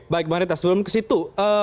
baik bang endardya sebelum kesitu